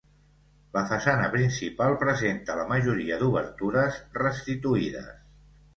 La façana principal presenta la majoria d'obertures restituïdes.